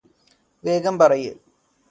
വേഗം പറയ്